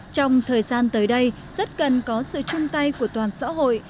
trong thời gian tới đây rất cần có sự chung tay của toàn xã hội